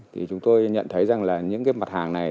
thì chúng tôi nhận thấy rằng là những cái mặt hàng này